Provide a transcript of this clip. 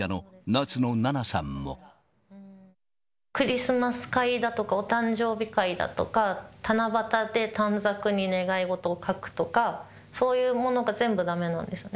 クリスマス会だとか、お誕生日会だとか、七夕で短冊に願い事を書くとか、そういうものが全部だめなんですね。